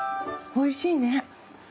おいしいね。